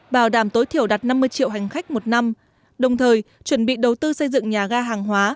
bảo đảm tối thiểu đạt năm mươi triệu hành khách một năm đồng thời chuẩn bị đầu tư xây dựng nhà ga hàng hóa